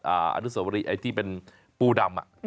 อาทิตย์สวรรค์ไอ้ที่เป็นปูดำ